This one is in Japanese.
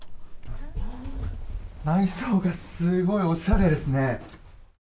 内装がすごいおしゃれですね。